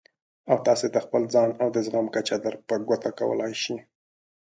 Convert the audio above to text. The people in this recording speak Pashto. او تاسې ته خپل ځان او د زغم کچه در په ګوته کولای شي.